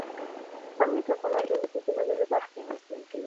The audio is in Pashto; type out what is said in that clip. پامیر د افغانانو ژوند په بېلابېلو برخو کې اغېزمن کوي.